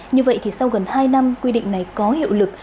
như vậy thì sau gần hai năm quy định này có hiệu lực